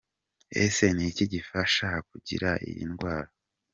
Ese ni iki gifasha gukira iyi ndwara?.